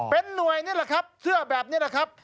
เป็นหน่วยนี่แหละครับเสื้อแบบนี้นะครับ